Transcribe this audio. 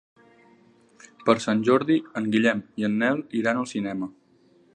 Per Sant Jordi en Guillem i en Nel iran al cinema.